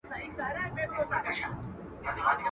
د مسلمانانو زړونه سره سوري وي.